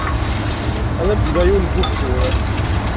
Ad am-d-iniɣ yiwen n wufur.